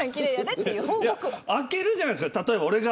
開けるじゃないですか。